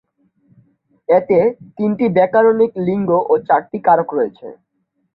এতে তিনটি ব্যাকরণিক লিঙ্গ ও চারটি কারক রয়েছে।